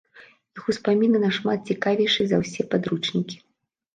Іх успаміны нашмат цікавейшыя за ўсе падручнікі!